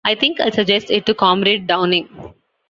I think I'll suggest it to Comrade Downing.